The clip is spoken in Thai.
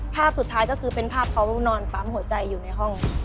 ภาพสุดท้ายก็คือภาพใช่เป็นภาพเขานอนปั๊มหัวใจในห้อง